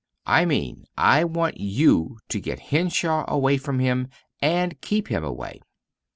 "I mean I want you to get Henshaw away from him, and keep him away."